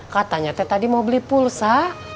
katanya tadi mau beli pulsa